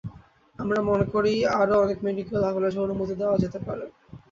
আমরা মনে করি, আরও অনেক মেডিকেল কলেজের অনুমতি দেওয়া যেতে পারে।